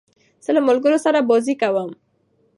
زه له ملګرو سره بازۍ کوم.